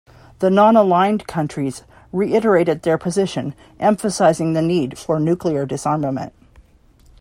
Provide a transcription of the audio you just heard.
The non-aligned countries reiterated their position emphasizing the need for nuclear disarmament.